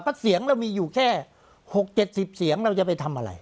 ก็เสียงเรามีอยู่แค่หกเจ็ดสิบเสียงเราจะไปทำอะไร